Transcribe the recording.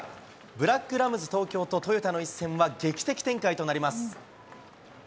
ブラックラムズ東京とトヨタの一戦は劇的展開となります。